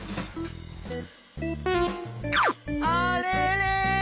あれれ？